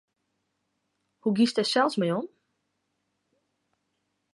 Hoe giest dêr sels mei om?